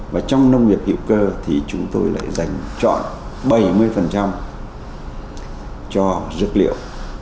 và trong nông nghiệp hiệu cơ thì chúng tôi lại dành trọn bảy mươi cho dược liệu